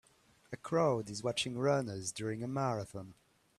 A crowd is watching runners during a marathon.